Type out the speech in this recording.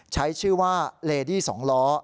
ใช้ชื่อว่าเลดี้๒ล้อ